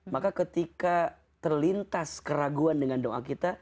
maka ketika terlintas keraguan dengan doa kita